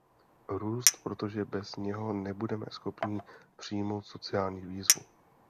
Růst, protože bez něho nebudeme schopní přijmout sociální výzvu.